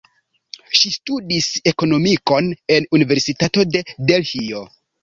Ŝi studis ekonomikon en la Universitato de Delhio.